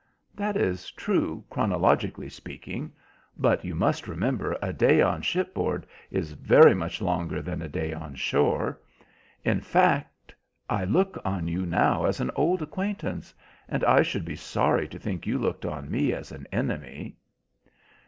"That is true, chronologically speaking. But you must remember a day on shipboard is very much longer than a day on shore. In fact, I look on you now as an old acquaintance, and I should be sorry to think you looked on me as an enemy."